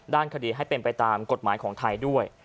ด้านคดีให้เป็นไปตามกฎหมายของไทยด้วย